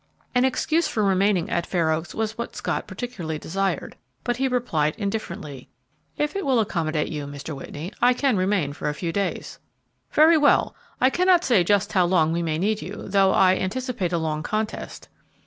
An excuse fur remaining at Fair Oaks was what Scott particularly desired, but he replied indifferently, "If it will accommodate you, Mr. Whitney, I can remain for a few days." "Very well. I cannot say just how long we may need you, though I anticipate a long contest."